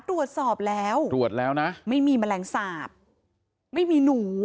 ตรวจสอบแล้วตรวจแล้วนะไม่มีแมลงสาปไม่มีหนู